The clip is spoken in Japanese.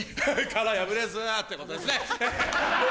殻破れずってことですね。